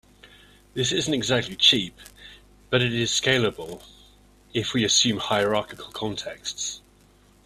This isn't exactly cheap, but it is scalable if we assume hierarchical contexts.